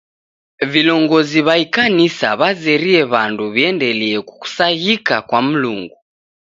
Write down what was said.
Vilongozi w'a ikanisa w'azerie w'andu wiendelie kukusaghika kwa Mlungu.